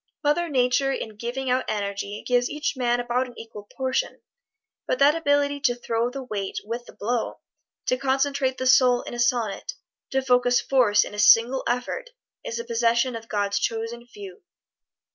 Mother Nature in giving out energy gives each man about an equal portion. But that ability to throw the weight with the blow, to concentrate the soul in a sonnet, to focus force in a single effort, is the possession of God's Chosen Few.